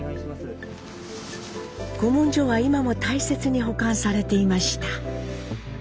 古文書は今も大切に保管されていました。